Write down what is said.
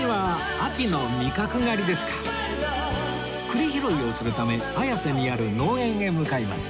栗拾いをするため綾瀬にある農園へ向かいます